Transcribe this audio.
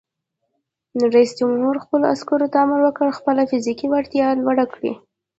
رئیس جمهور خپلو عسکرو ته امر وکړ؛ خپله فزیکي وړتیا لوړه کړئ!